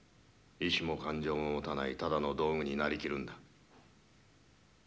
意思も感情も持たないただの道具になりきるんだ。